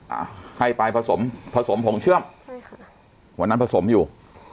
อ่าให้ไปผสมผสมผงเชื่อมใช่ค่ะวันนั้นผสมอยู่